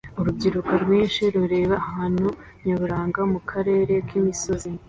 Urubyiruko rwinshi rureba ahantu nyaburanga mu karere k'imisozi